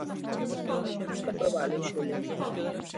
Imos comprobalo, Xulia.